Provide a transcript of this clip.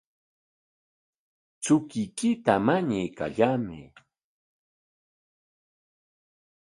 Chukuykita mañaykallamay.